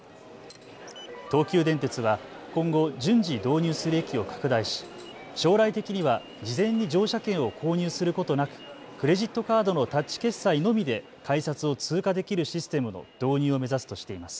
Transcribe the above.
東急電鉄は今後、順次導入する駅を拡大し将来的には事前に乗車券を購入することなくクレジットカードのタッチ決済のみで改札を通過できるシステムの導入を目指すとしています。